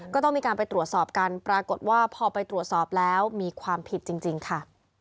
ก็ต้องมีการไปตรวจสอบกันปรากฏว่าพอไปตรวจสอบแล้วมีความผิดจริงค่ะ